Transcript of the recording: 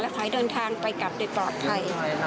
ขอให้เดินทางไปกลับโดยปลอดภัย